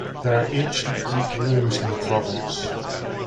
There are ancient Greek ruins in the province.